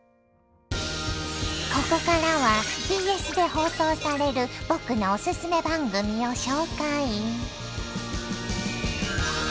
ここからはＢＳで放送される僕のおすすめ番組を紹介。